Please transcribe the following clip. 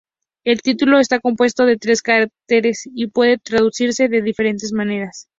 El título está compuesto de tres caracteres, y puede traducirse de diferentes maneras.